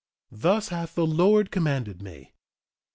Thus hath the Lord commanded me.